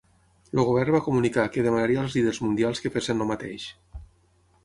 El govern va comunicar que demanaria als líders mundials que fessin el mateix.